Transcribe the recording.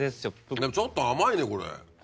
でもちょっと甘いねこれ。